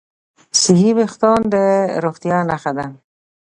صحي وېښتيان د روغتیا نښه ده.